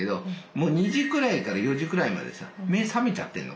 もう２時くらいから４時くらいまでさ目覚めちゃってんの。